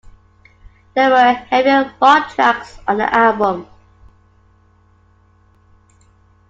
There were heavier rock tracks on the album.